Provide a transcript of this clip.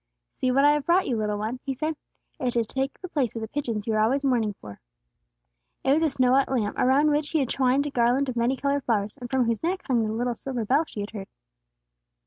"See what I have brought you, little one," he said. "It is to take the place of the pigeons you are always mourning for." It was a snow white lamb, around which he had twined a garland of many colored flowers, and from whose neck hung the little silver bell she had heard.